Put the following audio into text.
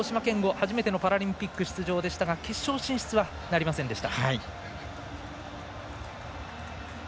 初めてのパラリンピック出場でしたが決勝進出はなりませんでした。